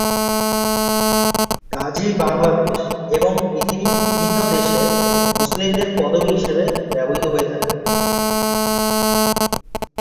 গাজী বাংলাদেশ এবং পৃথিবীর বিভিন্ন দেশের মুসলিমদের পদবি হিসেবে ব্যবহৃত হয়ে থাকে।